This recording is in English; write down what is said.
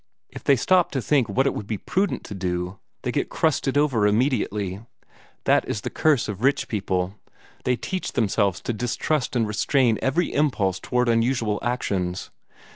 If they stop to think what it would be prudent to do, they get crusted over immediately. That is the curse of rich people they teach themselves to distrust and restrain every impulse toward unusual actions.